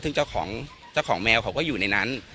ซึ่งเจ้าของแมวเขาก็อยู่ในนั้น